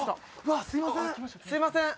「すいません」